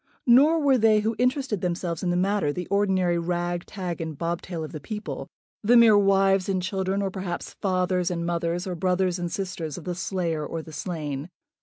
Nor were they who interested themselves in the matter the ordinary rag, tag, and bobtail of the people, the mere wives and children, or perhaps fathers and mothers, or brothers and sisters of the slayer or the slain.